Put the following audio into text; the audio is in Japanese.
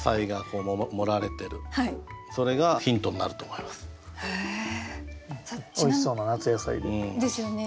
おいしそうな夏野菜で。ですよね。